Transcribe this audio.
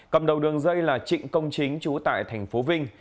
cầm đầu đường dây là trịnh công chính chú tại thành phố vinh